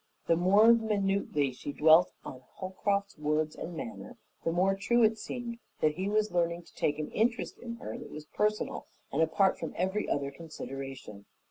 The more minutely she dwelt on Holcroft's words and manner, the more true it seemed that he was learning to take an interest in her that was personal and apart from every other consideration.